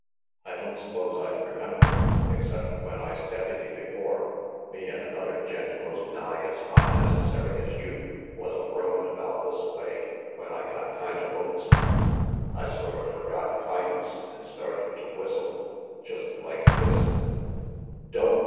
"I don't s'pose I'd remembered, except when I's deputy before, me an' another gent most nigh. as onnecessary as you, was a roamin' about thisaway when I got kinda lonesome. I sorta forgot cayuse, an' started to whistle, just like this "Don't!"